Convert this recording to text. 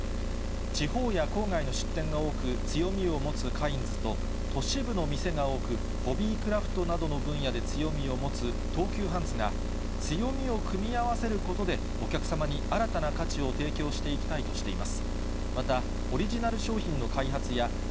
地方や郊外の出店が多く、強みを持つカインズと、都市部の店が多く、ホビークラフトなどの分野で強みを持つ東急ハンズが、強みを組み合わせることで、お客様に新たな価値を提供していきたいとしています。